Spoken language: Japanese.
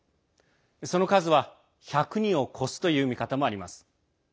その数は１００人を超すという見方もあります。